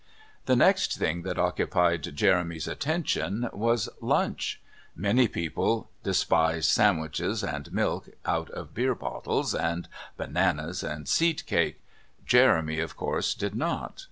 The next thing that occupied Jeremy's attention was lunch. Many people despise sandwiches and milk out of beer bottles and bananas and seed cake. Jeremy, of course, did not.